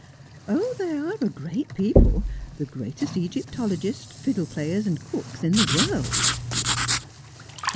'Oh, they are a great people. The greatest Egyptologists, fiddle players, and cooks in the world.'